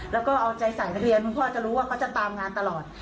แล้วก็เอาใจใส่นักเรียนคุณพ่อจะรู้ว่าเขาจะตามงานตลอด